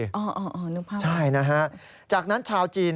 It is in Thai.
อ๋อนุ่มภาพนะครับใช่นะฮะจากนั้นชาวจีน